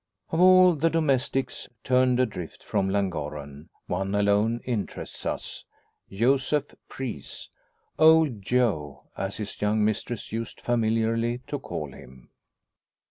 Of all the domestics turned adrift from Llangorren one alone interests us Joseph Preece "Old Joe," as his young mistress used familiarly to call him.